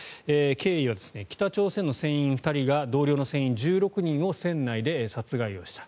経緯は北朝鮮の船員２人が同僚の船員１６人を船内で殺害をした。